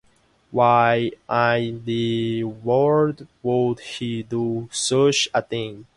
Why in the world would he do such a thing?